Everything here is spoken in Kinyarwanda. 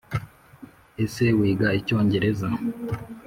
ese wiga icyongereza?